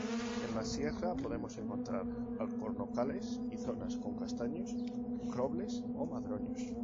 En la sierra podemos encontrar alcornocales y zonas con castaños, robles o madroños.